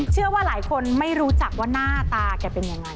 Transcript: เชื่อว่าหลายคนไม่รู้จักว่าหน้าตาแกเป็นยังไง